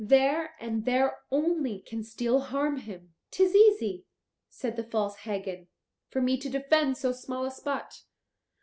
There and there only can steel harm him." "'Tis easy," said the false Hagen, "for me to defend so small a spot.